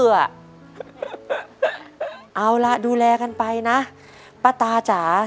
เอาล่ะดูแลกันไปนะป้าตาจ๋า